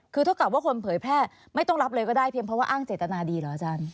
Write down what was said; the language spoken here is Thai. คือเท่ากับว่าคนเผยแพร่ไม่ต้องรับเลยก็ได้เพียงเพราะว่าอ้างเจตนาดีเหรออาจารย์